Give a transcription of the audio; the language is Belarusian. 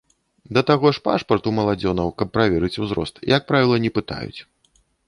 Да таго ж пашпарт у маладзёнаў, каб праверыць узрост, як правіла не пытаюць.